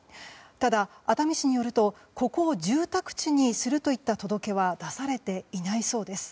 ただ、熱海市によるとここを住宅地にするという届けは出されていないそうです。